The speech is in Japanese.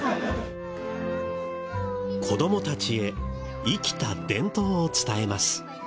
子どもたちへ生きた伝統を伝えます。